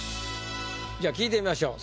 じゃあ聞いてみましょう。